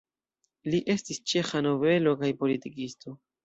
Li estis ĉeĥa nobelo kaj politikisto.